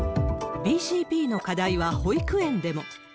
ＢＣＰの課題は保育園でも。